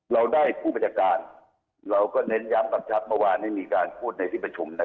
เราได้ผู้บัจจักรก็เน้นย้ำกลับชับเมื่อวานที่มีการพูดในที่ประชุม